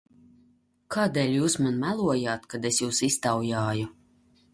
Kādēļ jūs man melojāt, kad es jūs iztaujāju?